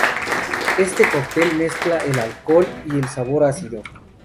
Este cóctel mezcla el alcohol y el sabor ácido.